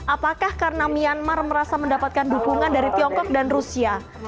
apakah karena myanmar merasa mendapatkan dukungan dari tiongkok dan rusia